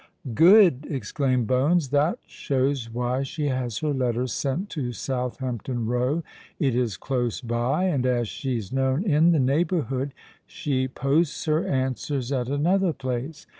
"Good!" exclaimed Bones. "That shows why she has her letters sent to Southampton Row;—it is close by; and as she's known in the neighbourhood, she posts her answers at another place.